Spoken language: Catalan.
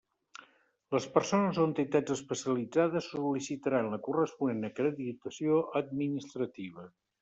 Les persones o entitats especialitzades sol·licitaran la corresponent acreditació administrativa.